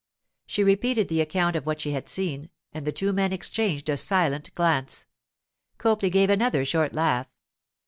She repeated the account of what she had seen, and the two men exchanged a silent glance. Copley gave another short laugh.